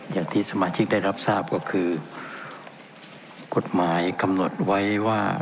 อย่างที่สมาชิกได้รับทราบก็คือกฎหมายกำหนดไว้ว่า